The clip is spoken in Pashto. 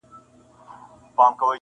څه به کوو؟-